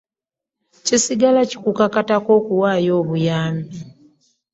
Kisigala kikukatako okuwaayo obuyambi.